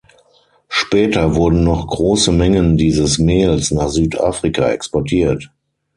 Später wurden noch große Mengen dieses Mehls nach Südafrika exportiert.